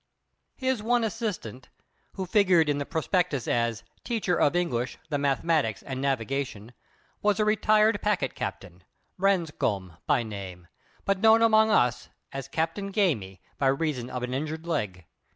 His one assistant, who figured in the prospectus as "Teacher of English, the Mathematics, and Navigation," was a retired packet captain, Branscome by name, but known among us as Captain Gamey, by reason of an injured leg.